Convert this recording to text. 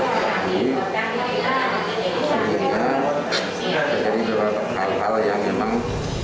jadi terjadi beberapa hal hal yang memang